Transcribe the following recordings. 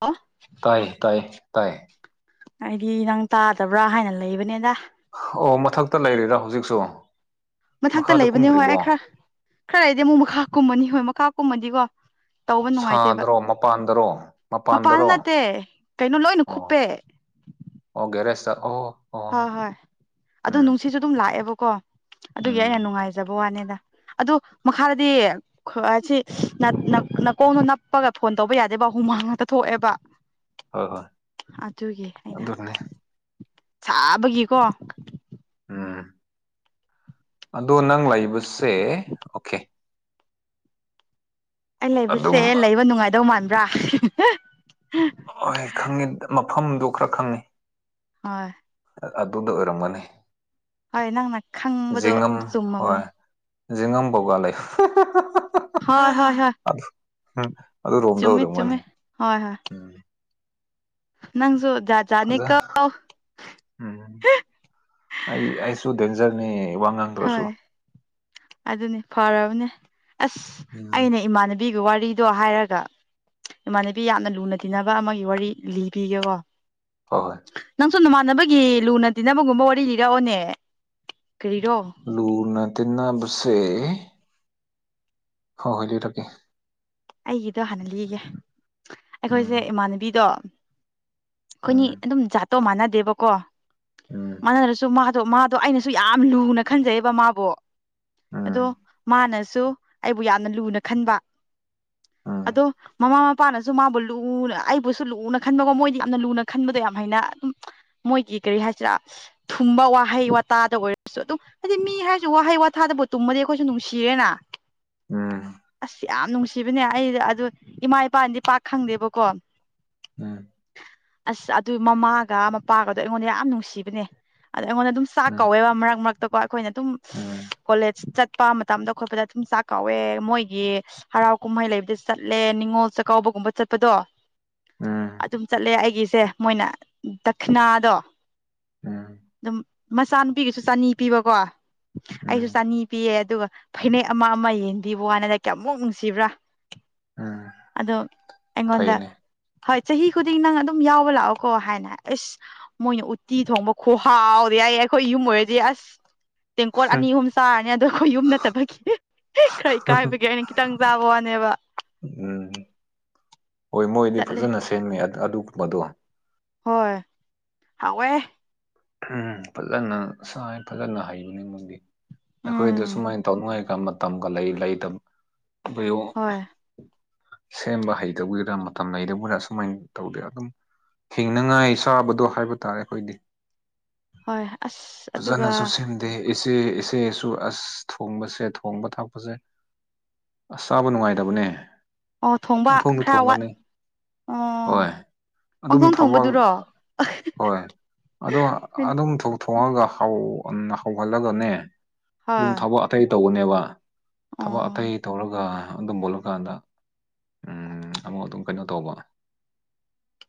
ꯍꯥ [unintelligible] ꯇꯥꯏ ꯇꯥꯏ ꯇꯥꯏ ꯑꯩꯗꯤ ꯅꯪ ꯇꯥꯗꯕ꯭ꯔꯥ ꯍꯥꯏꯅ ꯂꯩꯕꯅꯦꯗ ꯑꯣ ꯃꯊꯛꯇ ꯂꯩꯔꯤꯔꯥ ꯍꯧꯖꯤꯛꯁꯨ ꯃꯊꯛꯇ ꯃꯈꯥꯗ ꯂꯩꯕꯅꯦ ꯍꯣꯏ ꯀꯨꯝꯗ꯭ꯔꯤꯕꯣ ꯑꯩ ꯈꯔ ꯈꯔ ꯂꯩꯗꯤ ꯑꯃꯨꯛ ꯃꯈꯥ ꯀꯨꯝꯃꯅꯤ ꯍꯣꯏ ꯃꯈꯥ ꯀꯨꯝꯃꯗꯤꯀꯣ ꯇꯧꯕ ꯅꯨꯡꯉꯥꯏꯇꯦꯕ ꯁꯥꯗ꯭ꯔꯣ ꯃꯄꯥꯟꯗꯔꯣ ꯃꯄꯥꯟꯗ ꯃꯄꯥꯟꯗꯔꯣ ꯅꯠꯇꯦ ꯀꯩꯅꯣ ꯂꯣꯏꯅ ꯑꯣ ꯈꯨꯨꯞꯄꯦ ꯑꯣ ꯒꯦꯔꯦꯁꯇ ꯑꯣ ꯍꯣꯏ ꯍꯣꯏ ꯑꯗꯣ ꯎꯝ ꯅꯨꯡꯁꯤꯠꯁꯨ ꯑꯗꯨꯝ ꯂꯥꯛꯑꯦꯕꯀꯣ ꯑꯗꯨꯒꯤ ꯑꯩꯅ ꯎꯝ ꯅꯨꯡꯉꯥꯏꯖꯕ ꯋꯥꯅꯤꯗ ꯑꯗꯣ ꯃꯈꯥꯗꯗꯤ ꯑꯁꯤ ꯅꯀꯣꯡꯗꯣ ꯅꯞꯄꯒ ꯐꯣꯟ ꯇꯧꯕ ꯌꯥꯗꯦꯕ ꯍꯨꯃꯥꯡ ꯉꯥꯛꯇ ꯊꯣꯛꯑꯦꯕ ꯍꯣꯏ ꯍꯣꯏ ꯑꯗꯨꯒꯤ ꯑꯩꯅ ꯑꯗꯨꯅꯦ ꯁꯥꯕꯒꯤꯀꯣ ꯎꯝ ꯑꯗꯣ ꯅꯪ ꯂꯩꯕꯁꯦ ꯑꯣꯀꯦ ꯑꯩ ꯑꯗꯨꯝ ꯂꯩꯕꯁꯦ ꯂꯩꯕ ꯅꯨꯡꯉꯥꯏꯗꯧ ꯃꯥꯟꯕ꯭ꯔꯥ ꯍꫭꯏ ꯈꯪꯉꯦ ꯃꯐꯝꯗꯣ ꯈꯔ ꯈꯪꯉꯦ ꯍꯣꯏ ꯑꯗꯨꯗ ꯑꯣꯏꯔꯝꯒꯅꯤ ꯍꯣꯏ ꯅꯪꯅ ꯈꯪꯕꯗꯣ ꯖꯤꯡꯉꯝ ꯆꯨꯝꯃꯕꯅꯦ ꯍꯣꯏ [unintelligible] ꯍ ꯍ ꯍ ꯑꯗꯨ ꯑꯗꯨꯔꯣꯝꯗ ꯆꯃꯤ ꯑꯣꯏꯔꯝꯒꯅꯤ ꯆꯃꯤ ꯍ ꯍ ꯎꯝ ꯅꯪꯁꯨꯣꯖꯥꯅꯤ ꯐꯖ ꯀ ꯎꯝ ꯑꯩ ꯑꯩꯁꯨ ꯗꯦꯟꯖꯔꯅꯤ ꯋꯥ ꯉꯥꯡ ꯍꯣꯏ ꯑꯗꯨꯅꯤ ꯐꯔꯕꯅꯦ ꯑꯁ ꯎꯝ ꯑꯩꯅ ꯏꯃꯥꯟꯅꯕꯤ ꯕꯤꯒꯤ ꯋꯥꯔꯤꯗꯣ ꯍꯥꯏꯔꯒ ꯏꯃꯥꯟꯅꯕꯤ ꯌꯥꯝꯅ ꯂꯨꯅ ꯇꯤꯟꯅꯕ ꯑꯃꯒꯤ ꯋꯥꯔꯤ ꯂꯤꯕꯤꯒꯦꯀꯣ ꯍꯣꯏ ꯍꯣꯏ ꯀꯥꯡꯁꯨ ꯅꯃꯥꯟꯅꯕꯒꯤ ꯂꯨꯅ ꯇꯤꯟꯅꯕꯒꯨꯝꯕ ꯋꯥꯔꯤ ꯂꯤꯔꯛꯑꯣꯅꯦ ꯀꯔꯤꯔꯣ ꯂꯨꯅ ꯇꯤꯟꯅꯕꯁꯦ ꯍꯣꯏ ꯍꯣꯏꯂ ꯇ ꯀꯦ ꯑꯩꯒꯤꯗꯣ ꯍꯥꯟꯅ ꯂꯤꯒꯦ ꯑꯩꯈꯣꯏꯁꯦ ꯎꯝ ꯏꯃꯥꯟꯅꯕꯤꯗꯣ ꯑꯩꯈꯣꯏꯅꯤ ꯎꯝ ꯑꯗꯨꯝ ꯖꯥꯠꯇꯣ ꯃꯥꯟꯅꯗꯦꯕꯀꯣ ꯎꯝ ꯃꯥꯟꯅꯗ꯭ꯔꯁꯨ ꯑꯗꯣ ꯃꯥꯗꯣ ꯑꯩꯅꯁꯨ ꯌꯥꯝ ꯂꯨꯅ ꯈꯟꯖꯩꯑꯕ ꯃꯥꯕꯨꯣ ꯑꯗꯣ ꯎꯝ ꯃꯥꯅꯁꯨ ꯑꯩꯕꯨ ꯌꯥꯝꯅ ꯂꯨꯅ ꯈꯟꯕ ꯎꯝ ꯑꯗꯣ ꯃꯃꯥ ꯃꯄꯥꯅꯁꯨ ꯃꯥꯕꯨ ꯂꯨꯅ ꯑꯩꯕꯨꯁꯨ ꯂꯨꯅ ꯈꯟꯕꯒꯣ ꯃꯣꯏꯗꯤ ꯌꯥꯝꯅ ꯂꯨꯅ ꯈꯟꯕꯗꯣ ꯌꯥꯝ ꯍꯩꯅ ꯑꯗꯨꯝ ꯃꯣꯏꯒꯤ ꯀꯔꯤ ꯍꯥꯏꯁꯤꯔꯥ ꯊꯨꯝꯕ ꯋꯥꯍꯩ ꯋꯥꯇꯥꯗ ꯑꯣꯏꯔꯁꯨ ꯑꯗꯨꯝ ꯍꯥꯏꯗꯤ ꯃꯤ ꯍꯥꯏꯔꯁꯨ ꯋꯥꯍꯩ ꯋꯥꯊꯥꯗꯕꯨ ꯇꯨꯝꯃꯗꯤ ꯑꯩꯈꯣꯏꯁꯨ ꯅꯨꯡꯁꯤꯔꯦꯅ ꯎꯝ ꯑꯁ ꯌꯥꯝ ꯅꯨꯡꯁꯤꯕꯅꯦ ꯑꯩ ꯑꯗꯨ ꯏꯃꯥ ꯏꯄꯥꯗꯤ ꯄꯥꯛ ꯈꯪꯗꯦꯕꯀꯣ ꯎꯝ ꯑꯁ ꯑꯗꯨ ꯃꯃꯥꯒ ꯃꯄꯥꯒꯗꯣ ꯑꯩꯉꯣꯟꯗ ꯌꯥꯝ ꯅꯨꯡꯁꯤꯕꯅꯦ ꯑꯗ ꯑꯩꯉꯣꯟꯗ ꯑꯗꯨꯝ ꯆꯥꯛ ꯎꯝ ꯀꯧꯋꯦꯕ ꯃꯔꯛ ꯃꯔꯛꯇꯀꯣ ꯑꯩꯈꯣꯏꯅ ꯑꯗꯨꯝ ꯎꯝ ꯀꯣꯂꯦꯖ ꯆꯠꯄ ꯃꯇꯝꯗ ꯈꯣꯠꯄꯗ ꯑꯗꯨꯨꯝ ꯆꯥꯛ ꯀꯥꯎꯋꯦ ꯃꯣꯏꯒꯤ ꯍꯔꯥꯎ ꯀꯨꯝꯍꯩ ꯂꯩꯕꯗ ꯆꯠꯂꯦ ꯅꯤꯡꯉꯣꯜ ꯆꯥꯛꯀꯥꯎꯕꯒꯨꯝꯕ ꯆꯠꯄꯗꯣ ꯎꯝ ꯑꯗꯨꯝ ꯆꯠꯂꯦ ꯑꯩꯒꯤꯁꯦ ꯃꯣꯏꯅ ꯗꯈꯤꯅꯥꯗꯣ ꯎꯝ ꯑꯗꯨꯝ ꯃꯆꯥꯅꯨꯄꯤꯒꯤꯁꯨ ꯆꯅꯤ ꯄꯤꯕꯀꯣ ꯑꯩꯁꯨ ꯎꯝ ꯆꯅꯤ ꯄꯤꯌꯦ ꯑꯗꯨꯒ ꯐꯅꯦꯛ ꯑꯃ ꯑꯃ ꯌꯦꯟꯕꯤꯕ ꯋꯥꯅꯗ ꯀꯌꯥꯃꯨꯛ ꯅꯨꯡꯁꯤꯕ꯭ꯔꯥ ꯎꯝ ꯑꯣ ꯑꯩꯉꯣꯟꯗ ꯐꯩꯅꯦ ꯍꯣꯏ ꯆꯍꯤ ꯈꯨꯗꯤꯡ ꯅꯪ ꯑꯗꯨꯝ ꯌꯥꯎꯕ ꯂꯥꯛꯑꯣꯀꯣ ꯍꯥꯏꯅ ꯑꯁ ꯃꯣꯏꯅ ꯎꯠꯇꯤ ꯊꯣꯡꯕ ꯈꯨꯍꯥꯎꯗꯤ ꯌꯥꯏꯌꯦ ꯑꯩꯈꯣꯏ ꯌꯨꯝ ꯑꯣꯏꯔꯗꯤ ꯑꯁ ꯇꯦꯡꯀꯣꯠ ꯑꯅꯤ ꯑꯍꯨꯝ ꯆꯥꯔꯅꯤ ꯑꯗꯣ ꯑꯩꯈꯣꯏ ꯌꯨꯝ ꯅꯠꯇꯕꯒꯤ ꯈꯔ ꯏꯀꯥꯏꯕꯒꯤ ꯑꯩꯅ ꯈꯤꯇꯪ ꯆꯥꯕ ꯋꯥ ꯕ ꯎꯝ ꯍꯣꯏ ꯃꯣꯏꯗꯤ ꯆꯠꯂꯦ ꯐꯖꯅ ꯁꯦꯝꯃꯦ ꯑꯗꯨꯒꯨꯝꯕꯗꯣ ꯍꯣꯏ ꯍꯣꯏ ꯎꯝ ꯐꯖꯅ ꯁꯥꯏ ꯐꯖꯅ ꯍꯩꯕꯅꯤ ꯃꯗꯤ ꯑꯩꯈꯣꯏꯗ ꯎꯝ ꯁꯨꯃꯥꯏꯅ ꯇꯧꯅꯉꯥꯏ ꯃꯇꯝ ꯃꯇꯝꯒ ꯂꯩ ꯂꯩꯇ ꯍꯣꯏ ꯁꯦꯝꯕ ꯍꯩꯇꯕꯨꯒꯤꯔꯥ ꯃꯇꯝ ꯂꯩꯇꯕꯨꯒꯤꯔꯥ ꯑꯁꯨꯃꯥꯏꯅ ꯇꯧꯗꯦ ꯑꯗꯨꯝ ꯍꯤꯡꯅꯉꯥꯏ ꯆꯥꯕꯗꯣ ꯍꯥꯏꯕ ꯇꯥꯔꯦ ꯑꯩꯈꯣꯏꯗꯤ ꯍꯣꯏ ꯑꯁ ꯑꯗꯨꯒ ꯐꯖꯅꯁꯨ ꯁꯤꯟ ꯑꯗ ꯏꯆꯦ ꯏꯆꯦꯁꯨ ꯑꯁ ꯊꯣꯡꯕꯁꯦ ꯊꯣꯡꯕ ꯊꯥꯛꯄꯁꯦ ꯑꯁꯥꯕ ꯅꯨꯡꯉꯥꯏꯇꯕꯅꯦ ꯑꯣ ꯊꯣꯡꯕ ꯄꯪꯊꯣꯡꯗ ꯈꯔ ꯋꯥꯠ ꯊꯣꯡꯒꯅꯤ ꯑꯣ ꯍꯣꯏ ꯑꯗꯨꯝ ꯄꯥꯡꯊꯣꯡ ꯊꯕꯛ ꯊꯣꯡꯕꯗꯨꯔꯣ ꯍꯣꯏ ꯑꯗꯣ ꯍꯣꯏ ꯑꯗꯨꯝ ꯊꯣꯡꯉꯒ ꯍꯧꯍꯜꯂꯒꯅꯦ ꯑꯗꯨꯝ ꯊꯕꯛ ꯑꯇꯩ ꯇꯧꯕꯅꯦꯕ ꯊꯕꯛ ꯑꯣ ꯑꯇꯩ ꯇꯧꯔꯒ ꯑꯗꯨꯝ ꯃꯨꯜꯂꯀꯥꯟꯗ ꯎꯝ ꯑꯃꯨꯛ ꯑꯗꯨꯝ ꯀꯩꯅꯣ ꯇꯧꯕ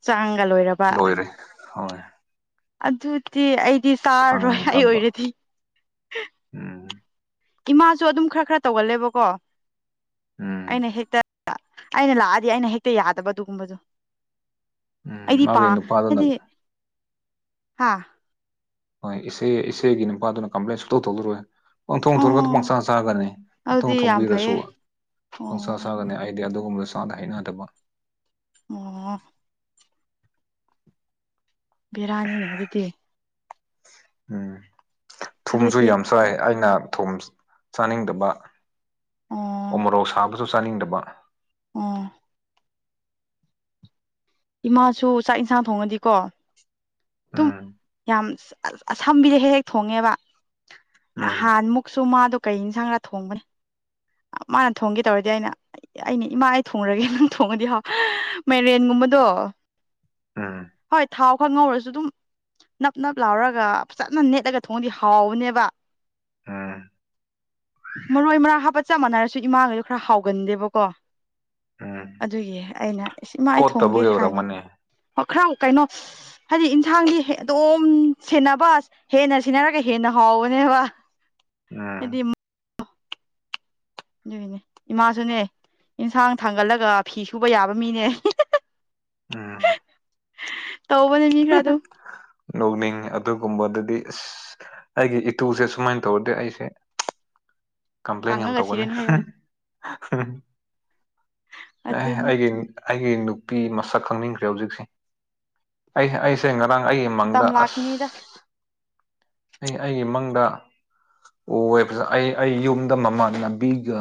ꯆꯥꯡꯒ ꯂꯣꯏꯔꯕ ꯂꯣꯏꯔꯦ ꯍꯣꯏ ꯑꯗꯨꯗꯤ ꯑꯩꯗꯤ ꯆꯥꯔꯔꯣꯏ ꯊꯥꯡ ꯑꯩ ꯀꯥꯞꯄ ꯑꯣꯏꯔꯗꯤ ꯎꯝ ꯏꯃꯥꯁꯨ ꯑꯗꯨꯝ ꯈꯔ ꯈꯔ ꯇꯧꯒꯜꯂꯦꯕꯀꯣ ꯎꯝ ꯑꯩꯅ ꯍꯦꯛꯇ ꯑꯩꯅ ꯂꯥꯛꯑꯗꯤ ꯑꯩꯅ ꯍꯦꯛꯇ ꯌꯥꯗꯕ ꯑꯗꯨꯒꯨꯝꯕꯗꯨ ꯎꯝ ꯑꯩꯗꯤ ꯄꯥ ꯃꯥꯒꯤ ꯅꯨꯄꯥꯗꯨꯅ ꯍꯥꯏꯗꯤ ꯍꯥꯥ ꯍꯣꯏ ꯏꯆꯦ ꯏꯆꯦꯒꯤ ꯅꯨꯄꯥꯗꯨꯅ ꯀꯝꯄ꯭ꯂꯦꯟ ꯁꯨꯇꯧ ꯇꯧꯕꯤꯔꯣꯏ ꯄꯪꯊꯣꯡ ꯑꯣ ꯊꯣꯡꯔꯒ ꯄꯪꯆꯥ ꯆꯥꯒꯅꯤ ꯄꯪꯊꯣꯡ ꯑꯗꯨꯗꯤ ꯌꯥꯝ ꯊꯣꯡꯕꯤꯔꯁꯨ ꯐꯩꯌꯦ ꯑꯣ ꯄꯪꯆꯥꯥ ꯆꯥꯒꯅꯤ ꯑꯩ ꯑꯩꯗꯤ ꯑꯗꯨꯒꯨꯝꯕ ꯆꯥꯗ ꯍꯩꯅꯗꯕ ꯑꯣ ꯕꯦꯔꯅꯤꯅꯦ ꯑꯗꯨꯗꯤ ꯎꯝ ꯊꯨꯝꯒꯨ ꯑꯩꯈꯣꯏꯗꯤ ꯌꯥꯝ ꯆꯥꯏ ꯑꯩꯅ ꯊꯨꯝ ꯆꯥꯅꯤꯡꯗꯕ ꯑꯣ ꯑꯣꯃꯣꯔꯣꯛ ꯁꯥꯕꯗꯨꯁꯨ ꯆꯥꯅꯤꯡꯗꯕ ꯎꯝ ꯏꯃꯥꯁꯨ ꯆꯥꯛ ꯏꯟꯁꯥꯡ ꯊꯣꯡꯉꯗꯤꯀꯣ ꯗꯨꯨꯝ ꯎꯝ ꯌꯥꯝ ꯑꯁꯝꯕꯤꯗ ꯍꯦꯛ ꯍꯦꯛ ꯊꯣꯡꯉꯦꯕ ꯎꯝ ꯅꯍꯥꯟ ꯃꯨꯛꯁꯨ ꯃꯥꯗꯣ ꯀꯩ ꯌꯦꯟꯁꯥꯡꯕ ꯊꯣꯡꯕꯅꯤ ꯃꯥꯅ ꯊꯣꯡꯒꯦ ꯇꯧꯔꯗꯤ ꯑꯩꯅ ꯑꯩꯅ ꯏꯃꯥ ꯑꯩ ꯊꯣꯡꯔꯒꯦ ꯅꯪ ꯊꯣꯡꯉꯗꯤ ꯍꯥꯎ ꯃꯦꯔꯦꯟꯒꯨꯝꯕꯗꯣ ꯎꯝ ꯍꯣꯏ ꯊꯥꯎ ꯈꯉꯧꯔꯁꯨ ꯑꯗꯨꯝ ꯅꯞ ꯅꯞ ꯂꯥꯎꯔꯒ ꯐꯖꯅ ꯅꯦꯠꯂꯒ ꯊꯣꯡꯉꯗꯤ ꯍꯥꯎꯕꯅꯦꯕ ꯎꯝ ꯃꯔꯣꯏ ꯃꯔꯥꯡ ꯍꯥꯞꯄ ꯆꯞ ꯃꯥꯟꯅꯔꯁꯨ ꯏꯃꯥꯒꯁꯨ ꯈꯔ ꯍꯥꯎꯒꯟꯗꯦꯕꯀꯣ ꯎꯝ ꯑꯗꯨꯒꯤ ꯑꯩꯅ ꯏꯃꯥꯥ ꯑꯩ ꯊꯣꯡꯒꯦ ꯀꯣꯠꯇꯕꯒꯤ ꯍꯥꯏꯕ ꯑꯣꯏꯔꯝꯃꯅꯤ ꯈꯔ ꯀꯩꯅꯣ ꯍꯥꯏꯗꯤ ꯌꯦꯟꯁꯥꯡꯗꯤ ꯑꯗꯨꯝ ꯁꯦꯟꯅꯕ ꯍꯦꯟꯅ ꯁꯦꯟꯅꯔꯒꯦ ꯍꯦꯟꯅ ꯍꯥꯎꯕꯅꯦꯕ ꯎꯝ ꯍꯥꯏꯗꯤ ꯑꯗꯨꯒꯤꯅꯦ ꯏꯃꯥꯁꯨꯅꯦ ꯏꯟꯁꯥꯡ ꯊꯥꯡꯒꯠꯂꯒ ꯐꯤ ꯁꯨꯕ ꯌꯥꯕ ꯃꯤꯅꯦ [unintelligible] ꯇꯧꯕ [unintelligible] ꯅꯣꯛꯅꯤꯡꯉꯩ ꯑꯗꯨꯒꯨꯝꯕꯗꯗꯤ ꯑꯁ ꯑꯩꯒꯤ ꯏꯇꯨꯁꯦ ꯁꯨꯃꯥꯏꯅ ꯇꯧꯔꯗꯤ ꯑꯩꯁꯦ ꯀꯝꯄ꯭ꯂꯦꯟ ꯌꯥꯝ ꯀꯪꯉꯒ ꯇꯧꯒꯅꯤ ꯁꯤꯔꯅꯤ ꯍꯥꯏꯌꯣ ꯑꯦ ꯑꯗꯨꯅꯦ ꯑꯩꯒꯤ ꯑꯩꯒꯤ ꯅꯨꯄꯤ ꯃꯁꯛ ꯈꯪꯅꯤꯡꯈ꯭ꯔꯦ ꯍꯧꯖꯤꯛꯁꯦ ꯑꯩ ꯑꯩꯁꯦ ꯉꯔꯥꯡ ꯑꯩꯒꯤ ꯃꯪꯗ ꯃꯇꯝ ꯑꯁ ꯂꯥꯛꯈꯤꯅꯤꯗ ꯑꯩ ꯑꯩꯒꯤ ꯃꯪꯗ ꯎꯋꯦ ꯐꯖꯥ ꯑꯩ ꯑꯩ ꯌꯨꯝꯗ ꯃꯃꯟꯅꯕꯤꯒ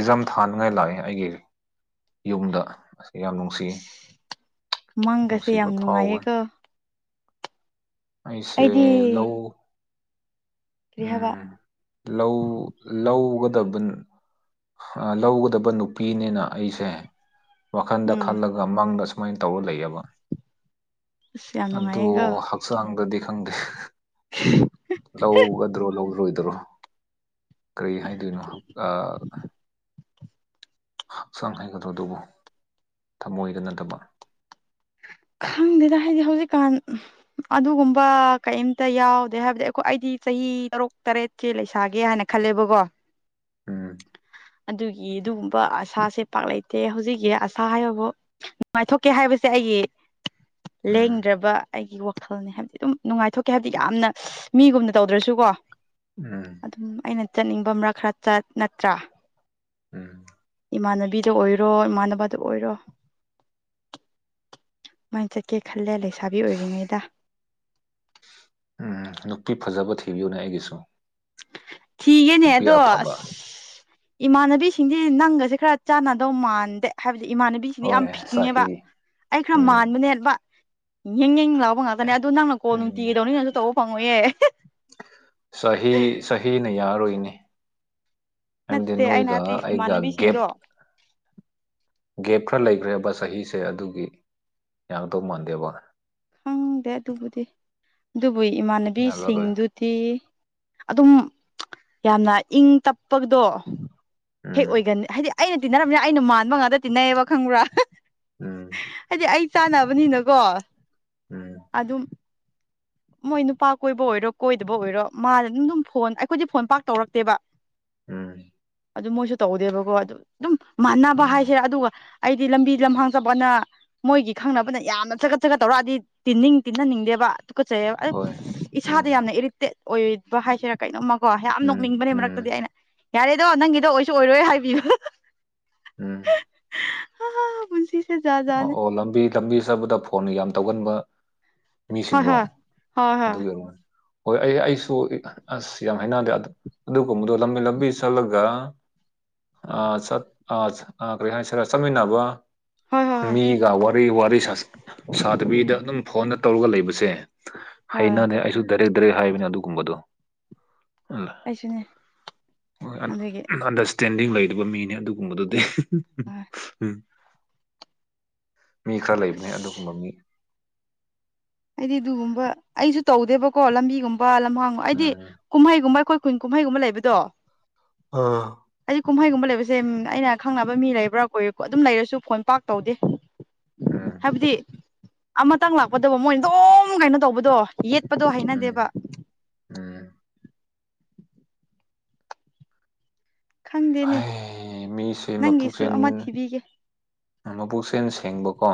ꯏꯖꯝ ꯊꯥꯅꯤꯡꯉꯥꯏ ꯂꯥꯛꯑꯦ ꯑꯩꯒꯤ ꯌꯨꯝꯗ ꯌꯥꯝ ꯅꯨꯡꯁꯤꯌꯦ ꯃꯪꯒꯁꯦ ꯅꯨꯡꯁꯤꯕ ꯌꯥꯝ ꯐꯥꯎꯋꯦ ꯅꯨꯡꯉꯥꯏꯌꯦꯀꯣ ꯑꯩꯁꯦ ꯑꯩꯗꯤ ꯂꯧ ꯀ꯭ꯔꯤꯍꯕ ꯎꯝ ꯂꯧ ꯂꯧꯒꯗꯕꯅꯤ ꯂꯧꯒꯗꯕ ꯅꯨꯄꯤꯅꯤꯅ ꯑꯩꯁꯦ ꯋꯥꯈꯟꯗ ꯎꯝ ꯈꯜꯂꯒ ꯃꯪꯗ ꯁꯨꯃꯥꯏꯅ ꯇꯧꯔ ꯂꯩꯌꯦꯕ ꯑꯁ ꯌꯥꯝ ꯑꯗꯨ ꯅꯨꯡꯉꯥꯏꯌꯦꯀꯣ ꯍꯛꯆꯥꯡꯗꯗꯤ ꯈꯪꯗꯦ ꯎ ꯂꯧ ꯒꯗ꯭ꯔꯣ ꯂꯧꯗ꯭ꯔꯣꯏꯗ꯭ꯔꯣ ꯀꯔꯤ ꯍꯥꯏꯗꯣꯏꯅꯣ ꯍꯛꯆꯥꯡ ꯍꯥꯏꯒꯗ꯭ꯔꯣ ꯑꯗꯨꯕꯨ ꯊꯃꯣꯏꯗ ꯅꯠꯇꯕ ꯈꯪꯗꯦꯗ ꯍꯥꯏꯗꯤ ꯍꯧꯖꯤꯛꯀꯥꯟ ꯑꯗꯨꯒꯨꯝꯕ ꯀꯩꯝꯇ ꯌꯥꯎꯗꯦ ꯍꯥꯏꯕꯗꯤ ꯑꯩꯈꯣꯏ ꯑꯩꯗꯤ ꯆꯍꯤ ꯇꯔꯨꯛ ꯇꯔꯦꯠ ꯀꯦ ꯂꯩꯁꯥꯒꯦ ꯍꯥꯏꯅ ꯈꯜꯂꯦꯕꯀꯣ ꯎꯝ ꯑꯗꯨꯒꯤ ꯑꯗꯨꯒꯨꯝꯕ ꯑꯁꯥꯁꯦ ꯄꯥꯛꯂꯇꯦ ꯍꯧꯖꯤꯛꯀꯤ ꯑꯁꯥ ꯍꯥꯏꯕꯕꯨ ꯅꯨꯡꯉꯥꯏꯊꯣꯛꯀꯦ ꯍꯥꯏꯕꯁꯦ ꯑꯩꯒꯤ ꯎꯝ ꯂꯦꯡꯗ꯭ꯔꯕ ꯑꯩꯒꯤ ꯋꯥꯈꯜꯅꯤ ꯍꯥꯏꯕꯗꯤ ꯑꯗꯨꯝ ꯅꯨꯡꯉꯥꯏꯊꯣꯛꯀꯦ ꯍꯥꯏꯕꯗꯤ ꯌꯥꯝꯅ ꯃꯤꯒꯨꯝꯅ ꯇꯧꯗ꯭ꯔꯁꯨꯀꯣ ꯎꯝ ꯑꯗꯨꯝ ꯑꯩꯅ ꯆꯠꯅꯤꯡꯕ ꯃꯔꯛ ꯈꯔ ꯅꯠꯇ꯭ꯔꯥ ꯎꯝ ꯏꯃꯥꯟꯅꯕꯤꯗ ꯑꯣꯏꯔꯣ ꯏꯃꯥꯟꯅꯕꯗ ꯑꯣꯏꯔꯣ ꯀꯃꯥꯏꯅ ꯆꯠꯀꯦ ꯈꯜꯂꯦ ꯂꯩꯁꯥꯕꯤ ꯑꯣꯏꯔꯤꯉꯩꯗ ꯎꯝ ꯅꯨꯄꯤ ꯐꯖꯕ ꯊꯤꯕꯤꯌꯨꯅꯦ ꯑꯩꯒꯤꯁꯨ ꯊꯤꯒꯦꯅꯦ ꯅꯨꯄꯤ ꯑꯗꯣ ꯑꯐꯕ ꯏꯃꯥꯟꯅꯕꯤꯁꯤꯡꯁꯤ ꯅꯪꯒꯁꯦ ꯈꯔ ꯆꯥꯟꯅꯗꯧ ꯃꯥꯟꯗꯦ ꯍꯥꯏꯕꯗꯤ ꯏꯃꯥꯟꯅꯕꯤ ꯕꯤꯁꯤꯗꯤ ꯌꯥꯝ ꯍꯣꯏ ꯄꯤꯛꯉꯦꯕ ꯆꯍꯤ ꯑꯩ ꯈꯔ ꯎꯝ ꯃꯥꯟꯕꯅꯦꯕ ꯌꯦꯡ ꯌꯦꯡ ꯂꯥꯎꯕ ꯉꯥꯛꯇꯅꯦ ꯑꯗꯨꯗꯣ ꯅꯪꯅ ꯀꯣꯜ ꯅꯨꯡꯇꯤꯒꯤꯩꯗꯧꯅꯤꯅꯪꯁꯨ ꯇꯧꯑꯣ ꯐꯉ ꯌꯥꯦ ꯁ ꯁꯅ ꯌꯥꯔꯣꯏꯅꯤ ꯑꯗꯦ ꯅꯠꯇꯦ ꯑꯩꯅ ꯅꯣꯣꯏꯒ ꯍꯥꯏꯕꯗꯤ ꯑꯩꯒ ꯦꯞ ꯏꯃꯥꯟꯅꯕꯤꯁꯤꯡꯗꯣ ꯒꯦꯞ ꯈꯔ ꯂꯩꯈ꯭ꯔꯦꯕ ꯆꯍꯤꯁꯦ ꯑꯗꯨꯒꯤ ꯌꯥꯡꯗꯧ ꯃꯥꯟꯗꯦꯕ ꯈꯪꯗꯦ ꯑꯗꯨꯕꯨꯗꯤ ꯑꯗꯨꯕꯨ ꯌꯥꯔꯔꯣꯏ ꯏꯃꯥꯟꯅꯕꯤꯁꯤꯡꯗꯨ ꯗꯤ ꯑꯗꯨꯝ ꯌꯥꯝꯅ ꯏꯪ ꯇꯞꯄꯗꯣ ꯍꯦꯛ ꯎꯝ ꯑꯣꯏꯒꯅꯤ ꯍꯥꯏꯗꯤ ꯑꯩꯅ ꯇꯤꯟꯅꯔꯕꯅꯤꯅ ꯑꯩꯅ ꯃꯥꯟꯕ ꯉꯥꯛꯇ ꯇꯤꯟꯅꯩꯕ ꯈꯪꯕ꯭ꯔꯥ ꯎꯝ ꯍꯥꯏꯗꯤ ꯑꯩ ꯆꯥꯅꯕꯅꯤꯅꯀꯣ ꯎꯝ ꯑꯗꯨꯝ ꯃꯣꯏ ꯅꯨꯄꯥ ꯀꯣꯏꯕ ꯑꯣꯏꯔꯣ ꯀꯣꯏꯗꯕ ꯑꯣꯏꯔꯣ ꯃꯥꯗ ꯑꯗꯨꯝ ꯑꯗꯨꯝ ꯐꯣꯟ ꯑꯩꯈꯣꯏꯗꯤ ꯐꯣꯟ ꯄꯥꯛ ꯇꯧꯔꯛꯇꯦꯕ ꯎꯝ ꯑꯗꯨ ꯃꯣꯏꯁꯨ ꯇꯧꯗꯦꯕꯀꯣ ꯑꯗꯨ ꯑꯗꯨꯝ ꯃꯥꯟꯅꯕ ꯍꯥꯏꯁꯦ ꯎꯝ ꯑꯗꯨꯒ ꯑꯩꯗꯤ ꯂꯝꯕꯤ ꯂꯝꯍꯥꯡꯖꯕꯅ ꯃꯣꯏꯒꯤ ꯈꯪꯅꯕꯅ ꯌꯥꯝꯅ ꯆꯒꯠ ꯆꯒꯠ ꯇꯧꯔꯛꯑꯗꯤ ꯇꯤꯟꯅꯤꯡ ꯇꯤꯟꯅꯅꯤꯡꯗꯦꯕ ꯀꯠꯆꯩꯕ ꯍꯣꯏ ꯎꯝ ꯏꯁꯥꯗ ꯌꯥꯝꯅ ꯏꯔꯤꯇꯦꯠ ꯑꯣꯏ ꯍꯥꯏꯁꯤꯔꯥ ꯀꯩꯅꯣꯝꯃꯀꯣ ꯌꯥꯝ ꯎꯝ ꯅꯣꯛꯅꯤꯡꯕꯅꯦ ꯎꯝ ꯃꯔꯛꯇꯗꯤ ꯑꯩꯅ ꯌꯥꯔꯦꯗꯣ ꯅꯪꯒꯤꯗꯣ ꯑꯣꯏꯁꯨ ꯑꯣꯏꯔꯣꯏ ꯍꯥꯏꯕꯤꯌꯨ ꯎꯝ ꯄꯨꯟꯁꯤꯁꯦ ꯖꯥꯠ ꯑꯣ ꯖꯥꯠꯅꯦ ꯑꯣ ꯂꯝꯕꯤ ꯂꯝꯕꯤ ꯆꯠꯕꯗ ꯐꯣꯟ ꯌꯥꯝ ꯇꯧꯒꯟꯕ ꯍꯣꯏ ꯃꯤꯁꯤꯡꯔꯣ ꯍꯣꯏ ꯍꯣꯏ ꯑꯗꯨꯒꯤ ꯍꯣꯏ ꯍꯣꯏ ꯑꯩ ꯑꯩꯁꯨ ꯑꯁ ꯌꯥꯝ ꯍꯥꯏꯅꯗꯦ ꯑꯗꯨꯒꯨꯝꯕꯗꯣ ꯂꯝꯕꯤ ꯂꯝꯕꯤ ꯆꯠꯂꯒ ꯑ ꯑ ꯀꯔꯤ ꯍꯥꯏꯅꯤꯁꯤꯔ ꯆꯠꯃꯤꯟꯅꯕ ꯍꯣꯏ ꯍꯣꯏ ꯃꯤꯒ ꯋꯥꯔꯤ ꯋꯥꯔꯤ ꯁꯥꯗꯕꯤꯗ ꯑꯗꯨꯝ ꯐꯣꯟꯗ ꯇꯧꯔꯒ ꯂꯩꯕꯁꯦ ꯍꯣꯏ ꯍꯣꯏ ꯍꯩꯅꯅꯦ ꯑꯩꯁꯨ ꯗꯥꯏꯔꯦꯛ ꯗꯥꯏꯔꯦꯛ ꯍꯥꯏꯕꯅꯦ ꯑꯗꯨꯒꯨꯝꯕꯗꯣ ꯑꯩꯁꯨꯅꯦ ꯑꯗꯨꯒꯤ ꯑꯗ ꯁꯇꯦꯟꯗꯤꯡ ꯂꯩꯔꯤꯕ ꯃꯤꯅꯤ ꯑꯗꯨꯒꯨꯝꯕꯗꯨꯗꯤ ꯑ ꯎꯝ ꯃꯤ ꯈꯔ ꯂꯩꯕꯅꯦ ꯑꯗꯨꯒꯨꯝꯕ ꯃꯤ ꯍꯥꯏꯗꯤ ꯑꯗꯨꯒꯨꯝꯕ ꯑꯩꯁꯨ ꯇꯧꯗꯦꯕꯀꯣ ꯂꯝꯕꯤꯒꯨꯝꯕ ꯂꯝꯍꯥꯡꯒ ꯑꯩꯗꯤ ꯎꯝ ꯀꯨꯝꯍꯩꯒꯨꯝꯕ ꯑꯩꯈꯣꯏ ꯀꯨꯟ ꯀꯨꯝꯍꯩꯒꯨꯝꯕ ꯂꯩꯕꯗꯣ ꯑꯥ ꯑꯩꯗꯤ ꯀꯨꯝꯍꯩꯒꯨꯝꯕ ꯂꯩꯕꯁꯦ ꯑꯩꯅ ꯈꯪꯅꯕ ꯃꯤ ꯂꯩꯕ꯭ꯔꯥ ꯀꯣꯏꯔꯦꯀꯣ ꯑꯗꯨꯝ ꯂꯩꯔꯁꯨ ꯐꯣꯟ ꯄꯥꯛ ꯇꯧꯗꯦ [inaudible] ꯎꯝ ꯍꯥꯏꯕꯗꯤ ꯑꯃꯇꯪ ꯂꯥꯛꯄꯗꯕ ꯃꯣꯏꯅ ꯑꯗꯨꯝ ꯀꯩꯅꯣ ꯇꯧꯕꯗꯣ ꯌꯦꯠꯄꯗꯣ ꯎꯝ ꯍꯩꯅꯗꯦꯕ ꯎꯝ ꯈꯪꯗꯦꯅꯦ ꯍꯥꯏꯌꯦ ꯃꯤꯁꯦ ꯅꯪꯒꯤꯁꯨ ꯃꯄꯨꯆꯦꯟ ꯑꯃ ꯊꯤꯕꯤꯒꯦ ꯃꯕꯨꯛꯁꯦꯟ ꯁꯦꯡꯕꯀꯣ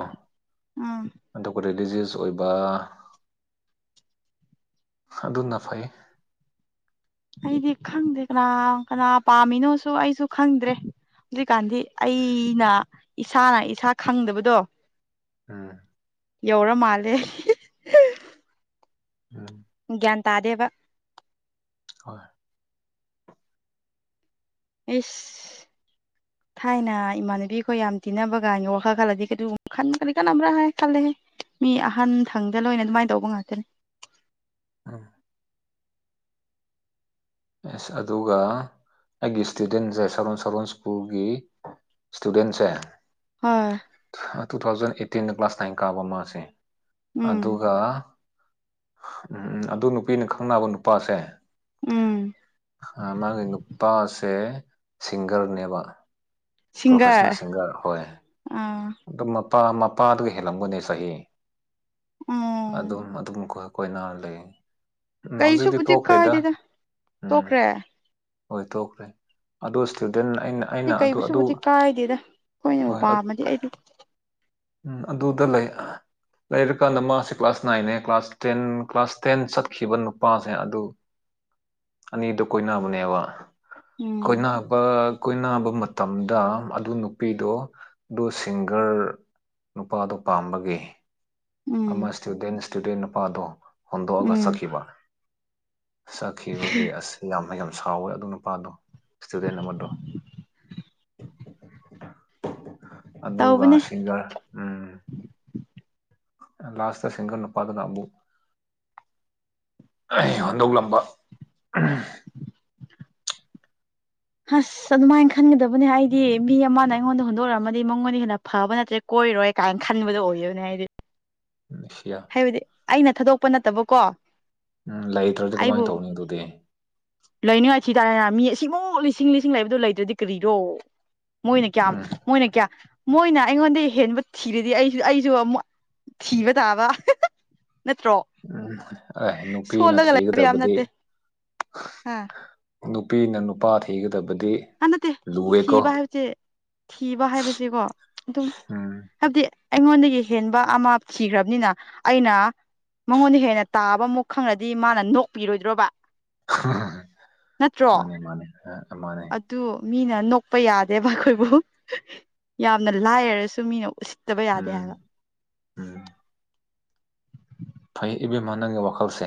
ꯎꯝ ꯑꯗꯨꯒ ꯔꯤꯂꯤꯖꯤꯌ꯭ꯁ ꯑꯣꯏꯕ ꯑꯗꯨꯅ ꯐꯩ ꯑꯩꯗꯤ ꯈꯪꯗꯦ ꯀꯅꯥ ꯀꯅꯥ ꯄꯥꯝꯃꯤꯅꯣꯁꯨ ꯑꯩꯁꯨ ꯈꯪꯗ꯭ꯔꯦ ꯍꯧꯖꯤꯛꯀꯥꯟꯗꯤ ꯑꯩꯅ ꯏꯁꯥꯅ ꯏꯁꯥ ꯈꯪꯗꯕꯗꯣ ꯎꯝ ꯌꯧꯔ ꯃꯥꯜꯂꯦ ꯎꯝ ꯒ꯭ꯌꯥꯟ ꯇꯥꯗꯦꯕ ꯍꯣꯏ ꯑꯩꯁ ꯊꯥꯏꯅ ꯏꯃꯥꯟꯅꯕꯤ ꯑꯩꯈꯣꯏ ꯌꯥꯝ ꯇꯤꯟꯅꯕ ꯀꯥꯟꯒꯤ ꯋꯥꯈꯜ ꯈꯜꯂꯗꯤ ꯀꯩꯗꯨꯒꯨꯝ ꯈꯟ ꯀꯔꯤ ꯀꯥꯟꯅꯕ꯭ꯔꯥ ꯍꯥꯏ ꯈꯜꯂꯦꯍꯦ ꯃꯤ ꯑꯍꯟꯊꯪꯗ ꯂꯣꯏꯅ ꯑꯗꯨꯃꯥꯏ ꯇꯧꯕ ꯉꯥꯛꯇꯅꯤ ꯑꯥ ꯑꯦꯁ ꯑꯗꯨꯒ ꯑꯩꯒꯤ ꯏꯁꯇꯨꯗꯦꯟꯖꯦ ꯁꯔꯣꯟ ꯁꯔꯣꯟ ꯁ꯭ꯀꯨꯜꯒꯤ ꯏꯁꯇꯨꯗꯦꯟꯁꯦ ꯍꯣꯏ ꯑ ꯇꯨ ꯊꯥꯎꯖꯟ ꯑꯩꯠꯇꯤꯟꯗ ꯀ꯭ꯂꯥꯁ ꯅꯥꯏꯟ ꯀꯥꯕ ꯃꯥꯁꯦ ꯎꯝ ꯑꯗꯨꯒ ꯎꯝ ꯑꯗꯨ ꯅꯨꯄꯤꯅ ꯈꯪꯅꯕ ꯅꯨꯄꯥꯁꯦ ꯎꯝ ꯑ ꯃꯥꯒꯤ ꯅꯨꯄꯥꯁꯦ ꯁꯤꯡꯒ꯭ꯔꯅꯦꯕ ꯄ꯭ꯔꯣꯐꯦꯁꯅꯦꯜ ꯁꯤꯡꯒꯔ ꯁꯤꯡꯒ꯭ꯔ ꯍꯣꯏ ꯑꯥ ꯑꯗꯨꯝ ꯃꯄꯥ ꯃꯄꯥꯗꯨꯒ ꯍꯦꯜꯂꯝꯒꯅꯦ ꯆꯍꯤ ꯎꯝ ꯑꯗꯨꯝ ꯑꯗꯨꯝ ꯀꯣꯏꯅꯔ ꯂꯩꯌꯦ ꯀꯩꯁꯨꯕꯨꯗꯤ ꯀꯥꯏꯗꯦꯗ ꯎꯝ ꯇꯣꯛꯈ꯭ꯔꯦ ꯍꯣꯏ ꯇꯣꯛꯈ꯭ꯔꯦ ꯑꯗꯨ ꯏꯁꯇꯨꯗꯦꯟ ꯑꯩꯅ ꯗꯤ ꯑꯩꯅ ꯑꯗꯨ ꯑꯗꯨ ꯀꯩꯕꯨꯁꯨꯕꯨꯗꯤ ꯀꯥꯏꯗꯦꯗ ꯍꯣꯏ ꯑꯩꯈꯣꯏꯅꯕꯨ ꯄꯥꯝꯃꯗꯤ ꯑꯩꯗꯤ ꯎꯝ ꯑꯗꯨꯗ ꯂꯩ ꯂꯩꯔꯀꯥꯟꯗ ꯃꯥꯁꯦ ꯀ꯭ꯂꯥꯁ ꯅꯥꯏꯟꯅꯦ ꯀ꯭ꯂꯥꯁ ꯇꯦꯟ ꯀ꯭ꯂꯥꯁ ꯇꯦꯟ ꯆꯠꯈꯤꯕ ꯅꯨꯄꯥꯁꯦ ꯑꯗꯨ [inaudible] ꯑꯅꯤꯗꯨ ꯀꯣꯏꯅꯕꯅꯦꯕ ꯎꯝ ꯀꯣꯏꯅꯕ ꯀꯣꯏꯅꯕ ꯃꯇꯝꯗ ꯑꯗꯨ ꯅꯨꯄꯤꯗꯣ ꯑꯗꯨ ꯁꯤꯡꯒ꯭ꯔ ꯅꯨꯄꯥꯗꯣ ꯄꯥꯝꯕꯒꯤ ꯑꯃ ꯎꯝ ꯏꯁꯇꯨꯗꯦꯟ ꯏꯁꯇꯨꯗꯦꯟ ꯅꯨꯄꯥꯗꯣ ꯍꯣꯟꯗꯣꯛꯑꯒ ꯎꯝ ꯆꯠꯈꯤꯕ ꯆꯠꯈꯤꯕꯒꯤ ꯑꯁ ꯌꯥꯝꯅ ꯌꯥꯝ ꯁꯥꯎꯋꯦ ꯑꯗꯨ ꯅꯨꯄꯥꯗꯣ ꯏꯁꯇꯨꯗꯦꯟ ꯑꯃꯗꯣ [inaudible] ꯑꯗꯨꯒ ꯇꯧꯕꯅꯦ ꯁꯤꯡꯒ꯭ꯔ ꯎꯝ ꯑ ꯂꯥꯁꯇ ꯁꯤꯡꯒꯜ ꯅꯨꯄꯥꯗꯨꯅ ꯑꯃꯨꯛ ꯑꯩ ꯍꯨꯟꯗꯣꯛꯂꯝꯕ ꯎꯝ [inaudible] ꯍꯁ ꯑꯗꯨꯃꯥꯏꯟ ꯈꯟꯒꯗꯕꯅꯤ ꯍꯥꯏꯗꯤ ꯃꯤ ꯑꯃꯅ ꯑꯩꯉꯣꯟꯗ ꯍꯨꯟꯗꯣꯛꯔꯝꯗꯤ ꯃꯪꯉꯣꯟꯗꯩ ꯍꯦꯟꯅ ꯐꯕ ꯅꯠꯇ꯭ꯔ ꯀꯣꯏꯔꯣꯏ ꯀꯥꯏꯅ ꯈꯟꯕꯗꯣ ꯑꯣꯏꯌꯅꯦ ꯑꯩꯗꯤ ꯅꯨꯡꯁꯤꯌꯥ ꯍꯥꯏꯕꯗꯤ ꯑꯩꯅ ꯊꯥꯗꯣꯛꯄ ꯅꯠꯇꯕꯀꯣ ꯎꯝ ꯂꯩꯇ꯭ꯔꯗꯤ ꯀꯃꯥꯏ ꯇꯧꯒꯅꯤ ꯑꯗꯨꯗꯤ ꯂꯩꯅꯤꯡꯉꯥꯏ ꯊꯤ ꯇꯥꯔꯦꯅ ꯃꯤ ꯑꯁꯤꯃꯨꯛ ꯂꯤꯁꯤꯡ ꯂꯤꯁꯤꯡ ꯂꯩꯕꯗꯨ ꯂꯩꯇ꯭ꯔꯗꯤ ꯀꯔꯤꯔꯣ ꯃꯣꯏꯅ ꯀꯌꯥꯝ ꯎꯝ ꯃꯣꯏꯅ ꯀꯌꯥ ꯃꯣꯏꯅ ꯑꯩꯉꯣꯟꯗꯩ ꯍꯦꯟꯕ ꯊꯤꯔꯗꯤ ꯑꯩꯁꯨ ꯑꯩꯁꯨ ꯑꯃꯨꯛ ꯊꯤꯕ ꯇꯥꯕ ꯅꯠꯇ꯭ꯔꯣ ꯎꯝ ꯑꯩ ꯅꯨꯄꯤꯅ ꯁꯣꯜꯂꯒ ꯂꯩꯕ ꯌꯥꯕ ꯊꯤꯒꯗꯕꯗꯤ ꯅꯠꯇꯦ ꯑꯥ ꯅꯨꯄꯤꯅ ꯅꯨꯄꯥ ꯊꯤꯒꯗꯕꯗꯤ ꯑꯥ ꯅꯠꯇꯦ ꯂꯨꯋꯦꯀꯣ ꯊꯤꯕ ꯍꯥꯏꯕꯖꯦ ꯊꯤꯕ ꯍꯥꯏꯕꯁꯦꯀꯣ ꯑꯗꯨꯝ ꯎꯝ ꯍꯥꯏꯕꯗꯤ ꯑꯩꯉꯣꯟꯗꯒꯤ ꯍꯦꯟꯕ ꯑꯃ ꯊꯤꯈ꯭ꯔꯕꯅꯤꯅ ꯑꯩꯅ ꯃꯉꯣꯟꯗꯩ ꯍꯦꯟꯅ ꯇꯥꯕ ꯑꯃꯨꯛ ꯈꯪꯔꯗꯤ ꯃꯥꯅ ꯅꯣꯛꯄꯤꯔꯣꯏꯗ꯭ꯔꯣꯕ ꯍ ꯍ ꯍ ꯅꯠꯇ꯭ꯔꯣ ꯃꯥꯅꯦ ꯃꯥꯅꯦ ꯑ ꯃꯥꯅꯦ ꯑꯗꯨ ꯃꯤꯅ ꯅꯣꯛꯄ ꯌꯥꯗꯦꯕ ꯑꯩꯈꯣꯏꯕꯨ ꯌꯥꯝꯅ ꯂꯥꯏꯔꯔꯁꯨ ꯃꯤꯅ ꯎꯁꯤꯠ ꯇꯕ ꯌꯥꯗꯦ ꯎꯝ ꯍꯥꯏꯕ ꯎꯝ ꯐꯩ ꯏꯕꯦꯝꯃꯥ ꯅꯪꯒꯤ ꯋꯥꯈꯜꯁꯦ꯫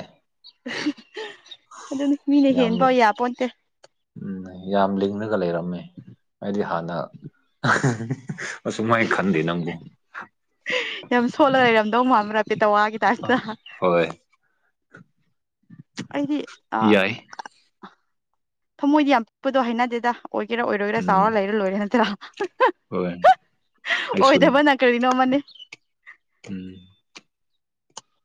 [unintelligible] ꯑꯗꯨꯅꯤ ꯃꯤꯅ ꯍꯦꯟꯕ ꯌꯥꯄꯣꯟꯇꯦ꯫ ꯎꯝꯅ ꯌꯥꯝ ꯂꯤꯡꯂꯒ ꯂꯩꯔꯝꯃꯦ꯫ ꯑꯩꯗꯤ ꯍꯥꯟꯅ [unintelligible] ꯑꯁꯨꯝꯃꯥꯏ ꯈꯟꯗꯦ ꯅꯪꯕꯨ ꯌꯥꯝ ꯁꯣꯜꯂ ꯂꯩꯔꯝꯗꯧ ꯃꯥꯟꯕ꯭ꯔ ꯥꯄꯦꯇꯋꯥꯒꯤ ꯑ ꯇꯥꯏꯞꯇ꯫ ꯍꯣꯏ ꯑꯩꯗꯤ ꯑ ꯌꯥꯏ ꯊꯃꯣꯏꯗꯤ ꯌꯥꯝ ꯄꯤꯛꯄꯗꯣ ꯍꯥꯏꯅꯗꯦꯗ ꯑꯣꯏꯒꯦꯔꯥ ꯑꯣꯏꯔꯣꯏꯔꯥ ꯎꯝ ꯆꯥꯎꯔ ꯂꯩꯔ ꯂꯣꯏꯔꯦ ꯍꯣꯏ ꯅꯠꯇꯔꯥ ꯑꯩꯁꯨꯅꯤ ꯑꯣꯏꯗꯕꯅ ꯀꯔꯤꯅꯣ ꯑꯃꯅꯦ꯫ ꯎꯝ